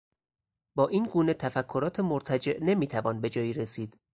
با این گونه تفکرات مرتجع نمیتوان به جایی رسید